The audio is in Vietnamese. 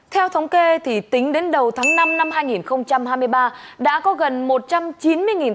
theo thống kê tính đến đầu tháng năm năm hai nghìn hai mươi ba